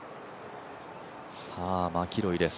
マキロイです。